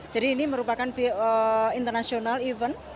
jadi ini merupakan international event